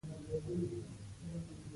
هېواد ته سپکاوی مه کوئ